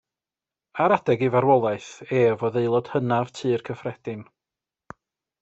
Ar adeg ei farwolaeth ef oedd aelod hynaf Tŷ'r Cyffredin.